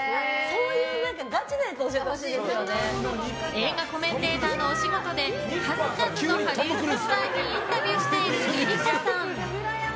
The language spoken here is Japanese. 映画コメンテーターのお仕事で数々のハリウッドスターにインタビューしているＬｉＬｉＣｏさん。